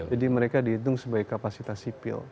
jadi mereka dihitung sebagai kapasitas sipil